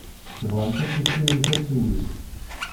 Tebɣamt ad tissinemt asewwi.